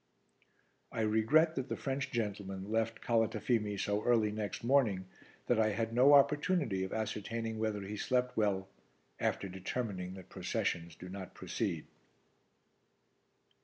I regret that the French gentleman left Calatafimi so early next morning that I had no opportunity of ascertaining whether he slept well after determining that processions do not proceed.